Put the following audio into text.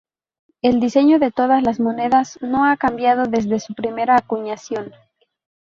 El diseño de todas las monedas no ha cambiado desde su primera acuñación.